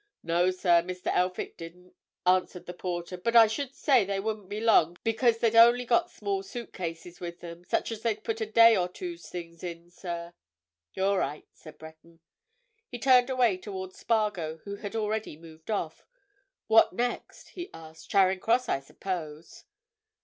"No, sir, Mr. Elphick didn't," answered the porter. "But I should say they wouldn't be long because they'd only got small suit cases with them—such as they'd put a day or two's things in, sir." "All right," said Breton. He turned away towards Spargo who had already moved off. "What next?" he asked. "Charing Cross, I suppose!"